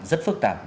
rất phức tạp